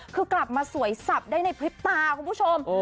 คือกลับมาสวยสับได้ในพริบตาคุณผู้ชม